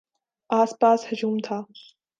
آس پاس ہجوم تھا۔